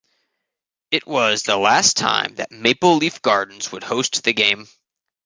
It was the last time that Maple Leaf Gardens would host the game.